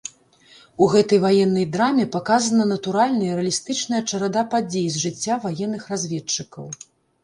У гэтай ваеннай драме паказана натуральная рэалістычная чарада падзей з жыцця ваенных разведчыкаў.